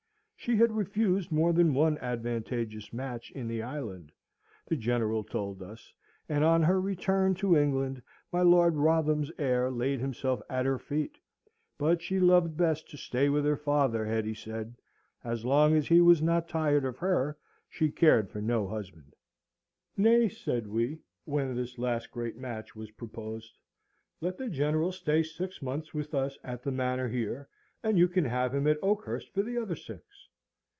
She had refused more than one advantageous match in the Island, the General told us; and on her return to England, my Lord Wrotham's heir laid himself at her feet. But she loved best to stay with her father, Hetty said. As long as he was not tired of her she cared for no husband. "Nay," said we, when this last great match was proposed, "let the General stay six months with us at the Manor here, and you can have him at Oakhurst for the other six."